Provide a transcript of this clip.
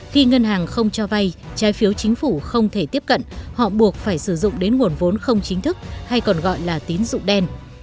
khi ngân hàng không cho vay trái phiếu chính phủ không thể tiếp cận họ buộc phải sử dụng đến nguồn vốn không chính thức hay còn gọi là tín dụng đen